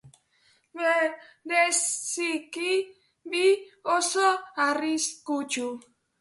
Bereziki, bi oso arriskutsu.